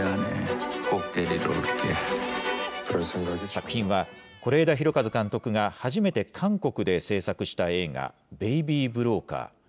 作品は、是枝裕和監督が初めて韓国で製作した映画、ベイビー・ブローカー。